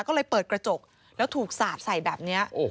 ก็เลยเปิดกระจกแล้วถูกสาดใส่แบบนี้